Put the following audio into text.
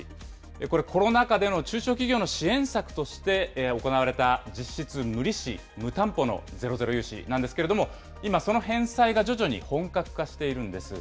これ、コロナ禍での中小企業の支援策として行われた実質無利子・無担保のゼロゼロ融資なんですけれども、今、その返済が徐々に本格化しているんです。